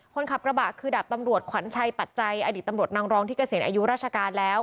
คนขับกระบะคือดับตำรวจขวัญชัยปัจจัยอดีตตำรวจนางรองที่เกษียณอายุราชการแล้ว